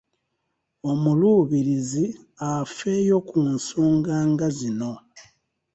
Omuluubirizi afeeyo ku nsonga nga zino